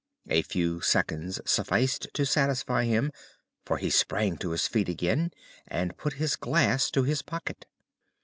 A few seconds sufficed to satisfy him, for he sprang to his feet again and put his glass in his pocket.